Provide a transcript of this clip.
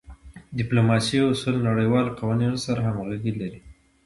د ډیپلوماسی اصول د نړیوالو قوانینو سره همږغي لری.